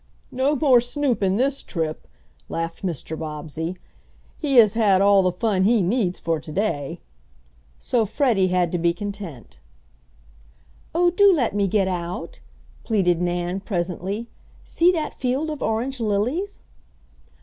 "No more Snoop in this trip," laughed Mr. Bobbsey. "He has had all the fun he needs for to day." So Freddie had to be content. "Oh, do let me get out?" pleaded Nan presently. "See that field of orange lilies."